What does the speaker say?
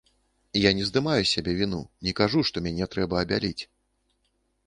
Я не здымаю з сябе віну, не кажу, што мяне трэба абяліць.